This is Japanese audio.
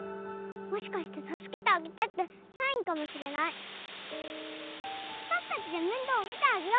もしかして助けてあげてってサインか私たちで面倒見てあげよ！